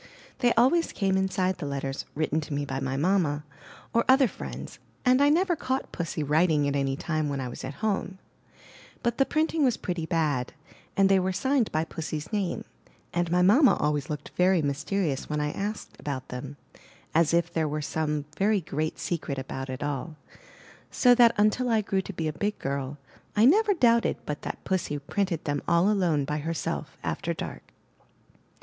They always came inside the letters, written to me by my mamma, or other friends, and I never caught Pussy writing at any time when I was at home; but the printing was pretty bad, and they were signed by Pussy's name; and my mamma always looked very mysterious when I asked about them, as if there were some very great secret about it all; so that until I grew to be a big girl, I never doubted but that Pussy printed them all alone by herself, after dark.